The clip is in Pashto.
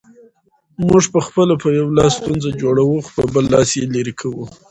موږ پخپله په یو لاس ستونزه جوړوو، خو په بل لاس یې لیري کوو